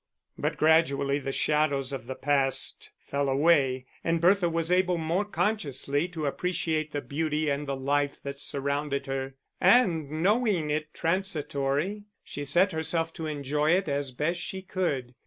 But gradually the shadows of the past fell away and Bertha was able more consciously to appreciate the beauty and the life that surrounded her. And knowing it transitory she set herself to enjoy it as best she could.